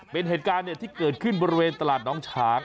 เป็นเหตุการณ์ที่เกิดขึ้นบริเวณตลาดน้องฉาง